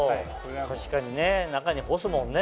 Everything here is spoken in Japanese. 確かにね中に干すもんね。